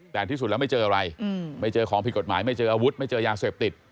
แต่ที่สุดแล้วไม่เจออะไรไม่เจอของผิดกฎหมายไม่เจออาวุธไม่เจอยาเสพติด